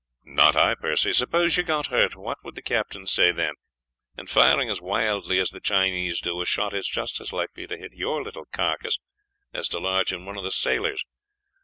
"Not I, Percy. Suppose you got hurt, what would the captain say then? And firing as wildly as the Chinese do, a shot is just as likely to hit your little carcass as to lodge in one of the sailors.